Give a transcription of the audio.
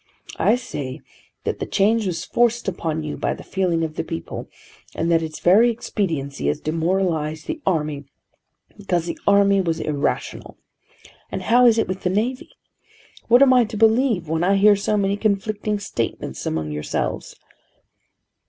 I say that the change was forced upon you by the feeling of the people, but that its very expediency has demoralized the army, because the army was irrational. And how is it with the navy? What am I to believe when I hear so many conflicting statements among yourselves?"